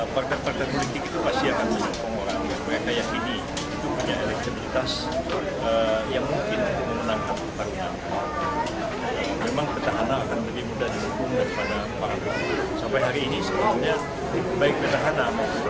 pertahanan akan lebih mudah dihukum daripada kemarahan